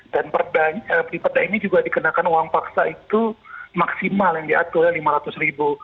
dan di perda ini juga dikenakan uang paksa itu maksimal yang diaturnya rp lima ratus